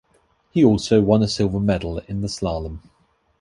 He also won a silver medal in the slalom.